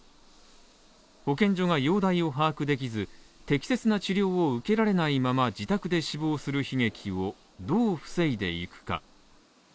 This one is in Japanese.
保健所が容体を把握できず適切な治療を受けられないまま自宅で死亡する悲劇をどう防いでいくか。